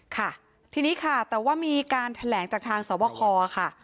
ค่ะทีนี้ค่ะแต่ว่ามีการแถลงจากทางสวบคค่ะ